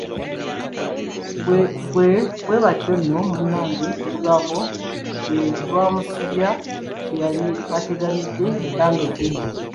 Bwe batyo nno munnnange olugambo bwe lwamusubya kye yali ateganidde ebbanga eddene.